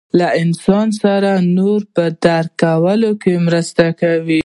له انسان سره د نورو په درک کولو کې مرسته کوي.